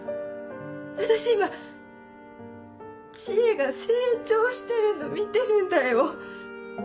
私今知恵が成長してるの見てるんだよ。